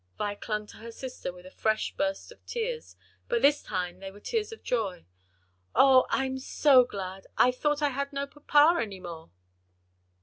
'" Vi clung to her sister with a fresh burst of tears, but this time they were tears of joy. "O, I'm so glad! I thought I had no papa any more."